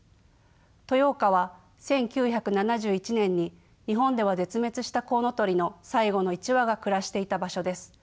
豊岡は１９７１年に日本では絶滅したコウノトリの最後の１羽が暮らしていた場所です。